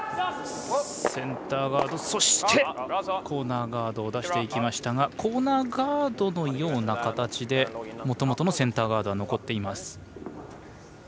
コーナーガードを出しにいきましたがコーナーガードのような形でもともとのセンターガードは残っています。